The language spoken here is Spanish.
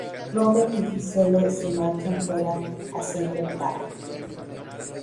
Robert y Giselle se marchan fuera a Central Park.